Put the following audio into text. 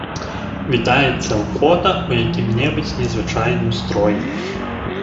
Вітаецца фота ў якім-небудзь незвычайным строі.